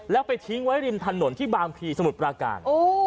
แล้วไปทิ้งไว้ริมถนนที่บางพีสมุทรปราการ